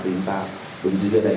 khususnya presiden jokowi atau aran aran